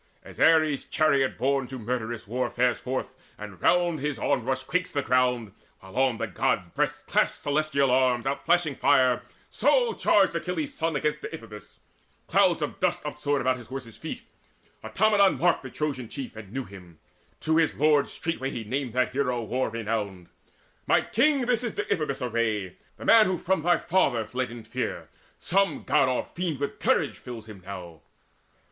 As Ares chariot borne to murderous war Fares forth, and round his onrush quakes the ground, While on the God's breast clash celestial arms Outflashing fire, so charged Achilles' son Against Deiphobus. Clouds of dust upsoared About his horses' feet. Automedon marked The Trojan chief, and knew him. To his lord Straightway he named that hero war renowned: "My king, this is Deiphobus' array The man who from thy father fled in fear. Some God or fiend with courage fills him now."